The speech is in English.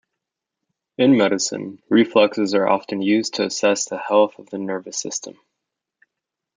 In medicine, reflexes are often used to assess the health of the nervous system.